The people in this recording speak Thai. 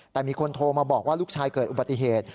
แต่มีคนโทรมาบอกว่าลูกชายเกิดอุบัติเหตุ